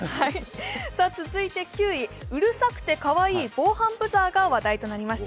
９位、うるさくてかわいい防犯ブザーが話題となりました。